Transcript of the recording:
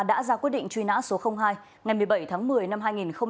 đã ra quyết định truy nã số hai ngày một mươi bảy tháng một mươi năm hai nghìn một mươi